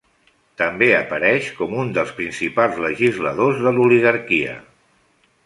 També apareix com un dels principals legisladors de l'oligarquia.